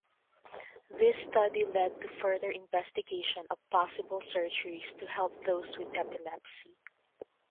This study lead to further investigation of possible surgeries to help those with epilepsy.